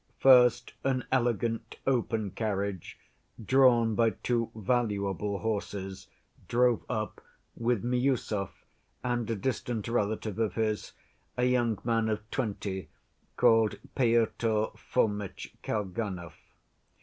First an elegant open carriage, drawn by two valuable horses, drove up with Miüsov and a distant relative of his, a young man of twenty, called Pyotr Fomitch Kalganov.